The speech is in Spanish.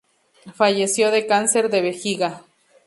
Falleció de cáncer de vejiga.